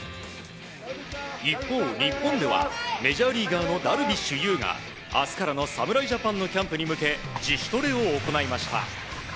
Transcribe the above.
一方、日本ではメジャーリーガーのダルビッシュ有が明日からの侍ジャパンのキャンプに向け自主トレを行いました。